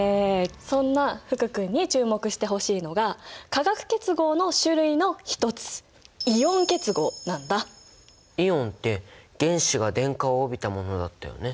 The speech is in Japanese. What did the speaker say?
そんな福くんに注目してほしいのが化学結合の種類の一つイオンって原子が電荷を帯びたものだったよね。